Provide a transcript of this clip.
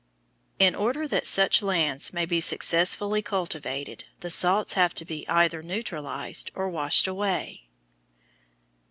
In order that such lands may be successfully cultivated, the salts have to be either neutralized or washed away.